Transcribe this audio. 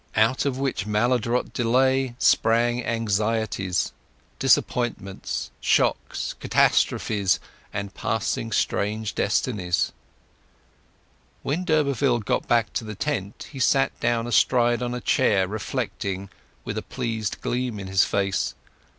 Out of which maladroit delay sprang anxieties, disappointments, shocks, catastrophes, and passing strange destinies. When d'Urberville got back to the tent he sat down astride on a chair, reflecting, with a pleased gleam in his face.